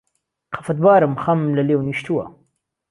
خهفهتبارم خهمم له لێو نیشتووه